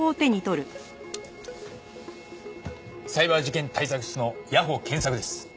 サイバー事件対策室の谷保健作です。